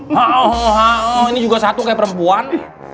haoh haoh ini juga satu kayak perempuan